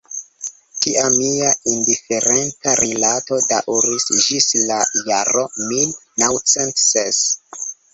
Tia mia indiferenta rilato daŭris ĝis la jaro mil naŭcent ses.